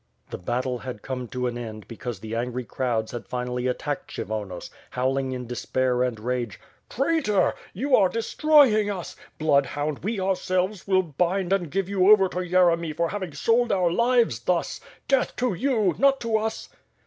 The battle had come to an end because the angry crowds had finally attacked Kshyvonos, howling in despair and rage: "Traitor! You are destroying us. Bloodhound, we our selves will bind and give you over to Yeremy for having sold our lives thus. Deatli to you, not to us!"